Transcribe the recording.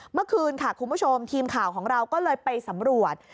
เมื่อคืนค่ะคุณผู้ชมทีมข่าวของเราก็เลยไปสำรวจ